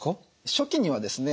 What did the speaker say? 初期にはですね